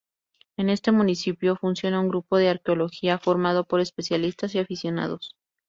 En este municipio funciona un grupo de arqueología formado por especialistas y aficionados.